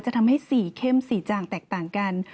ทำให้๔เข้มสีจ่างแตกต่างกัน